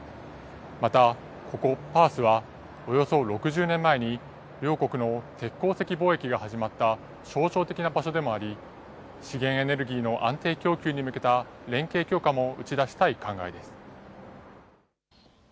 また、ここパースはおよそ６０年前に両国の鉄鉱石貿易が始まった象徴的な場所でもあり、資源エネルギーの安定供給に向けた連携強化も打ち出したい考えです。